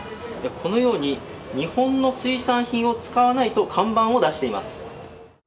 このように日本の水産品を使わないと看板を出しています。